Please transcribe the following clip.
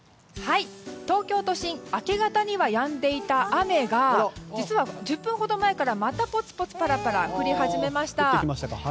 東京都心、明け方にはやんでいた雨が実は１０分ほど前からまたぽつぽつ降り始めました。